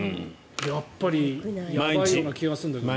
やっぱりやばいような気がするんだけどな。